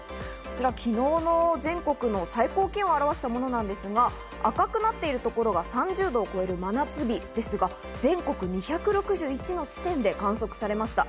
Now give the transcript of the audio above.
昨日の全国の最高気温を表したものですが、赤くなっているところは３０度を超える真夏日ですが、全国２６１の地点で観測されました。